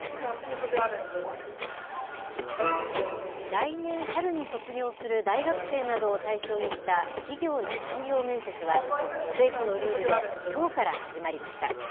来年春に卒業する大学生などを対象にした企業の採用面接は政府のルールできょうから始まりました。